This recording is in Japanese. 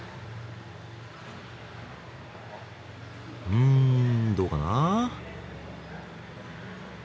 うんどうかな？